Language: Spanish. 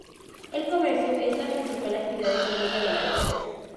El comercio es la principal actividad económica del área.